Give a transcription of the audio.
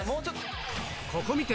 ここ観て！